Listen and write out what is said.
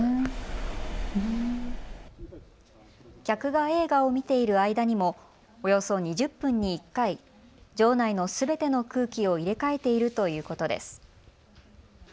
客が映画を見ている間にもおよそ２０分に１回、場内のすべての空気を入れ替えているということです。